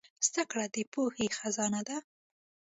زدهکړه د پوهې خزانه ده.